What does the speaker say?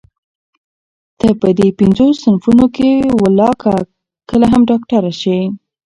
ته په دې پينځو صنفونو ولاکه کله هم ډاکټره شې.